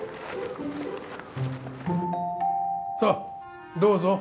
さあどうぞ。